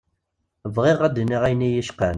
Bɣiɣ ad d-iniɣ ayen iyi-icqan.